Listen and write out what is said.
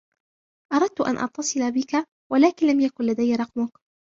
أردتُ أن أتصل بِكَ ولكن لم يكُن لديَ رقمك.